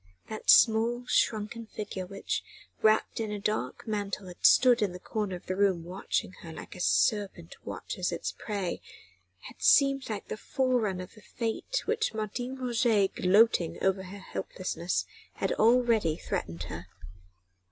That small, shrunken figure which, wrapped in a dark mantle, had stood in the corner of the room watching her like a serpent watches its prey, had seemed like the forerunner of the fate with which Martin Roget, gloating over her helplessness, had already threatened her.